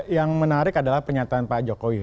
yang menarik adalah pernyataan pak jokowi